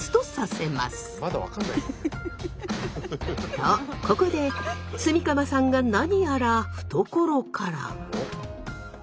とここで炭竈さんが何やら懐から。